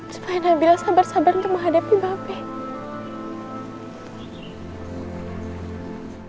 supaya nabila sabar sabar untuk menghadapi bape